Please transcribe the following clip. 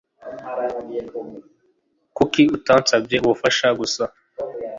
Kuki utansabye ubufasha gusa?